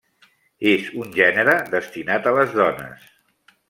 És un gènere destinat a les dones.